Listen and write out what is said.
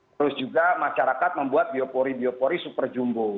terus juga masyarakat membuat biopori biopori super jumbo